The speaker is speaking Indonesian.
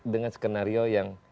dengan skenario yang kita miliki